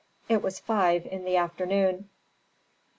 It was five in the afternoon.